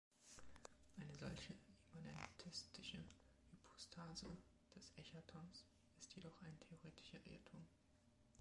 Eine solche immanentistische Hypostase des Eschatons ist jedoch ein theoretischer Irrtum.